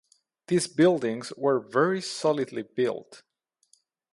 These buildings were very solidly built.